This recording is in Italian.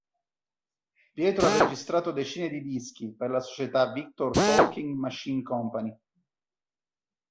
Pietro ha registrato decine di dischi per la società Victor Talking Machine Company.